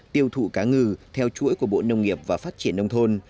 tiêu thụ cá ngừ theo chuỗi của bộ nông nghiệp và phát triển nông thôn